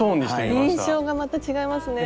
印象がまた違いますね。